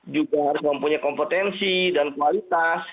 juga harus mempunyai kompetensi dan kualitas